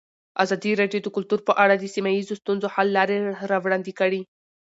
ازادي راډیو د کلتور په اړه د سیمه ییزو ستونزو حل لارې راوړاندې کړې.